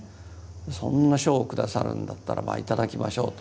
そんな賞を下さるんだったらまあ頂きましょうと。